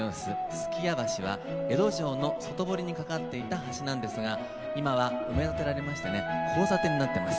数寄屋橋は江戸城の外堀に架かっていた橋なんですが今は埋め立てられまして交差点になっています。